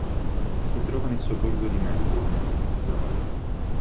Si trova nel sobborgo di Melbourne di Fitzroy.